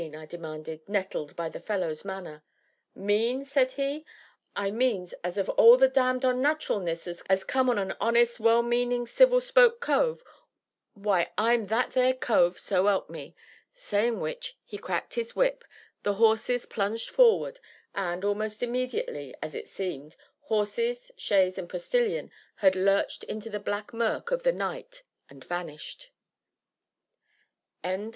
I demanded, nettled by the fellow's manner. "Mean?" said he, "I means as of all the damned onnat'ralness as come on a honest, well meaning, civil spoke cove why, I'm that there cove, so 'elp me!" Saying which, he cracked his whip, the horses plunged forward, and, almost immediately, as it seemed, horses, chaise, and Postilion had lurched into the black murk of the night and vanished.